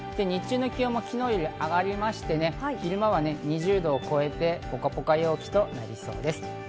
日中の気温も昨日より上がりまして、昼間は２０度を超えてポカポカ陽気となりそうです。